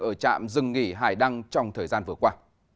ở trạm dừng nghỉ hải đăng trong thời gian vừa qua